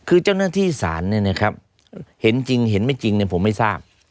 คือเจ้าหน้าที่ศาลเนี่ยนะครับเห็นจริงเห็นไม่จริงผมไม่ทราบ